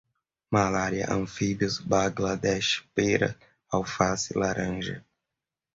malária, anfíbios, Bangladesh, pera, alface, laranja